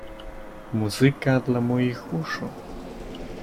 Muzyka dla moich uszu.